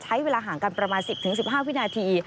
ใช้เวลาห่างกันประมาณ๑๐๑๕วินาที